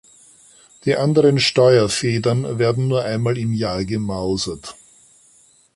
Die anderen Steuerfedern werden nur einmal im Jahr gemausert.